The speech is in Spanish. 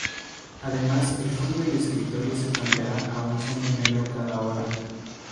Además el fondo de escritorio se cambiará a un fondo negro cada hora.